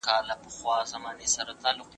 ښوونکي وایي چی اقتصادي پرمختیا خورا پېچلې ده.